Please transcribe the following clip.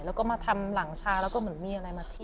แล้วก็มาทำหลังชาแล้วก็เหมือนมีอะไรมาทิ้ง